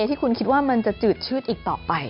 ที่คุณคิดว่ามันจะจืดชืดอีกต่อไป